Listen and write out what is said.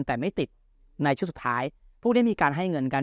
แต่ไม่ติดในชุดสุดท้ายพรุ่งนี้มีการให้เงินกัน